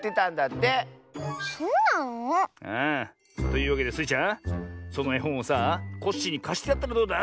というわけでスイちゃんそのえほんをさあコッシーにかしてやったらどうだ？